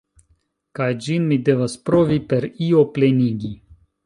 Kaj ĝin mi devas provi per io plenigi.